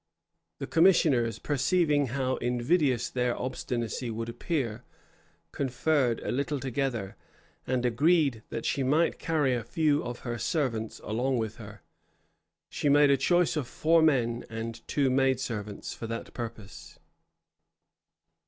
The commissioners, perceiving how invidious their obstinacy would appear, conferred a little together, and agreed that she might carry a few of her servants along with her. She made choice of four men and two maid servants for that purpose.